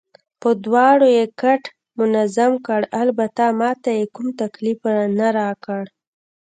په دواړو یې کټ منظم کړ، البته ما ته یې کوم تکلیف نه راکړ.